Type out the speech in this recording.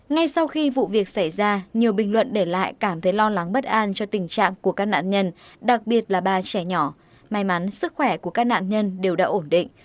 ngay sau khi vụ việc xảy ra nhiều bình luận để lại cảm thấy lo lắng bất an cho tình trạng của các nạn nhân đặc biệt là ba trẻ nhỏ may mắn sức khỏe của các nạn nhân đều đã ổn định